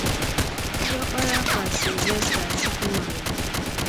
diọkpara Pa Sylvester Chukwumalu